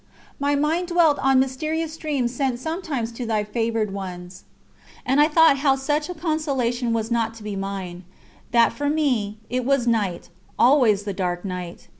... My mind dwelt on mysterious dreams sent sometimes to Thy favoured ones, and I thought how such a consolation was not to be mine that for me, it was night, always the dark night.